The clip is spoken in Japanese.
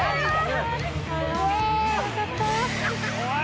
おい！